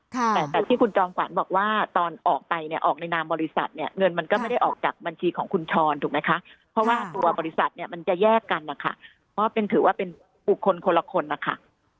แต่แต่ที่คุณจอมขวัญบอกว่าตอนออกไปเนี่ยออกในนามบริษัทเนี่ยเงินมันก็ไม่ได้ออกจากบัญชีของคุณชรถูกไหมคะเพราะว่าตัวบริษัทเนี่ยมันจะแยกกันนะคะเพราะเป็นถือว่าเป็นบุคคลคนละคนนะคะ